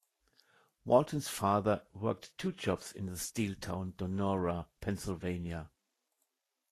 Walton's father worked two jobs in the steel town Donora, Pennsylvania.